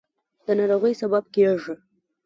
د ناروغۍ سبب کېږي.